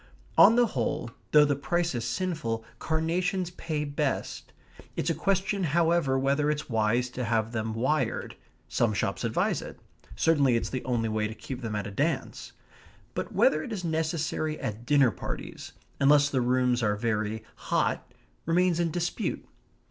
On the whole, though the price is sinful, carnations pay best; it's a question, however, whether it's wise to have them wired. Some shops advise it. Certainly it's the only way to keep them at a dance; but whether it is necessary at dinner parties, unless the rooms are very hot, remains in dispute.